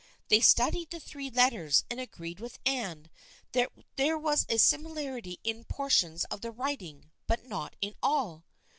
They studied the three let ters and agreed with Anne that there was a simi larity in portions of the writing, but not in all.